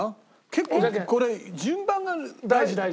結構これ順番が大事なんだよ。